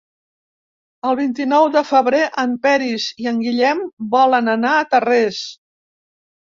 El vint-i-nou de febrer en Peris i en Guillem volen anar a Tarrés.